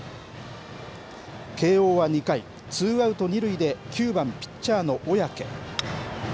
慶応は２回、ツーアウト２塁で、９番ピッチャーのおやけ。